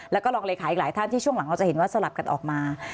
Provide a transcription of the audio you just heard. แล้วก็รองเลขาอีกหลายท่านที่ช่วงหลังเราจะเห็นว่าสลับกันออกมา